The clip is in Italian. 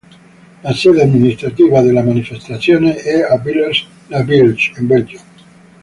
La sede amministrativa della manifestazione è a Villers-la-Ville in Belgio